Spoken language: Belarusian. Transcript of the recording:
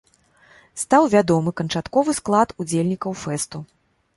Стаў вядомы канчатковы склад удзельнікаў фэсту.